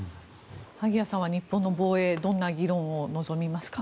萩谷さんは、日本の防衛どんな議論を望みますか。